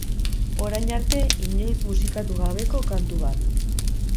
Orain arte inoiz musikatu gabeko kantu bat.